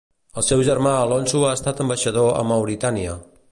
El seu germà Alonso ha estat ambaixador a Mauritània.